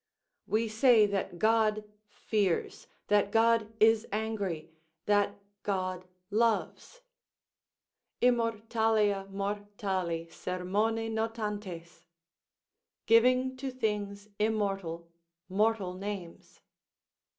We say that God fears, that God is angry, that God loves, Immortalia mortali sermone notantes: "Giving to things immortal mortal names."